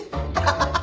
ハハハハ。